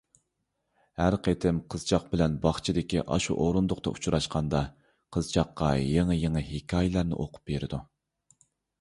ھەر قېتىم قىزچاق بىلەن باغچىدىكى ئاشۇ ئورۇندۇقتا ئۇچراشقاندا، قىزچاققا يېڭى-يېڭى ھېكايىلەرنى ئوقۇپ بېرىدۇ.